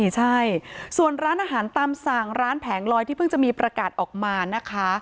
ใช่ส่วนร้านอาหารตามสั่งร้านแผงลอยที่เพิ่งจะมีประกาศออกมานะคะ